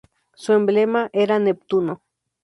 Su emblema era Neptuno.